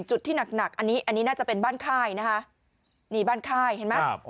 จุดที่หนักอันนี้น่าจะเป็นบ้านค่ายนะคะนี่บ้านค่ายเห็นไหม